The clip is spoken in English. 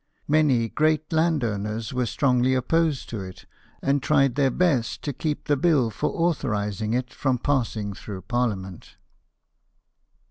Many great landowners were strongly opposed to it, and tried their best to keep the bill for authorizing it from passing through Parliament.